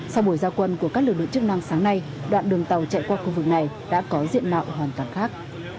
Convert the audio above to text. sau buổi giao quân của các lực lượng chức năng sáng nay đoạn đường tàu chạy qua khu vực này đã có diện mạo hoàn toàn khác